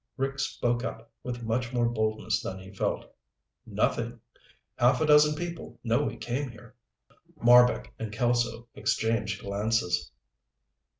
Rick spoke up with much more boldness than he felt. "Nothing. Half a dozen people know we came here." Marbek and Kelso exchanged glances.